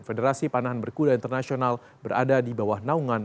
federasi panahan berkuda internasional berada di bawah naungan